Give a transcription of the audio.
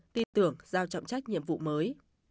tin tưởng giao trọng trách nhiệm vụ mới